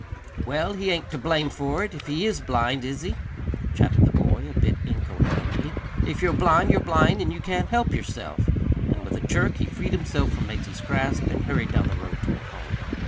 "Well, he ain't to blame for it, if he is blind, is he?" chattered the boy, a bit incoherently. "If you're blind you're blind, and you can't help yourself." And with a jerk he freed himself from Mazie's grasp and hurried down the road toward home.